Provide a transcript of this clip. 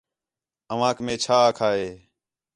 اوانک مے چَھا آکھا ہِے